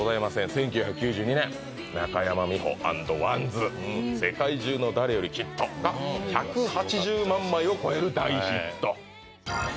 「１９９２年中山美穂＆ＷＡＮＤＳ『世界中の誰よりきっと』が１８０万枚を超える大ヒット」！